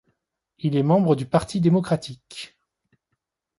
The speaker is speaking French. Il est membre du Parti démocratique.